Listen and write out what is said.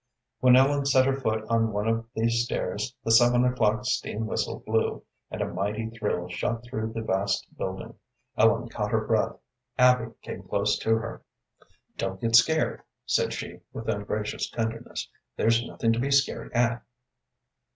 When Ellen set her foot on one of these stairs the seven o'clock steam whistle blew, and a mighty thrill shot through the vast building. Ellen caught her breath. Abby came close to her. "Don't get scared," said she, with ungracious tenderness; "there's nothing to be scared at."